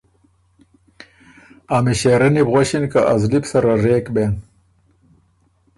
ا مِݭېرنی بو غؤݭِن که ”ا زلی بو سره رېک بېن“